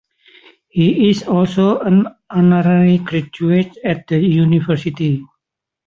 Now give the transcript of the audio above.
He is also an honorary graduate at the university.